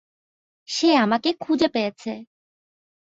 সে আমাকে খুজে পেয়েছে!